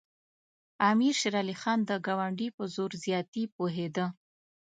امیر شېر علي خان د ګاونډي په زور زیاتي پوهېده.